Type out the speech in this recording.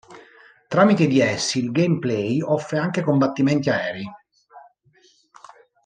Tramite di essi, il gameplay offre anche combattimenti aerei.